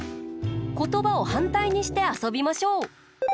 ことばをはんたいにしてあそびましょう！